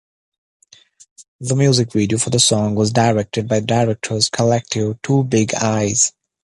The music video for the song was directed by directors collective Twobigeyes.